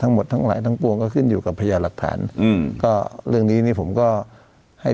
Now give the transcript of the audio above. ทั้งหมดทั้งหลายทั้งปวงก็ขึ้นอยู่กับพยานหลักฐานอืมก็เรื่องนี้นี่ผมก็ให้